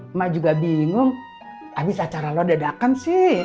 emak juga bingung abis acara lo dadakan sih